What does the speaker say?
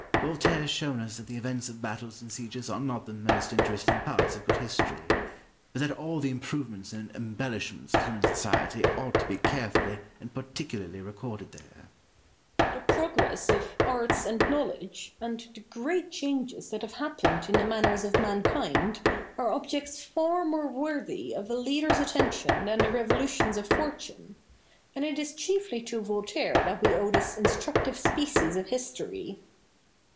Voltaire has shown us that the events of battles and sieges are not the most interesting parts of good history, but that all the improvements and embellishments of human society ought to be carefully and particularly recorded there. Boileau. The progress of arts and knowledge, and the great changes that have happened in the manners of mankind, are objects far more worthy of a leader's attention than the revolutions of fortune. And it is chiefly to Voltaire that we owe this instructive species of history.